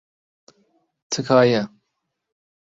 تکایە.